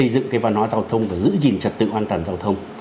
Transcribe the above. giao thông và giữ gìn trật tự an toàn giao thông